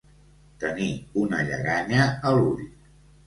Tenir una lleganya a l'ull.